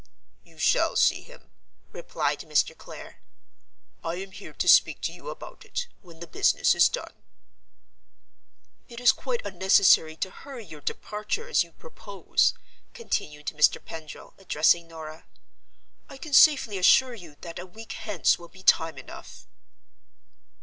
"You shall see him," replied Mr. Clare. "I am here to speak to you about it, when the business is done." "It is quite unnecessary to hurry your departure, as you propose," continued Mr. Pendril, addressing Norah. "I can safely assure you that a week hence will be time enough."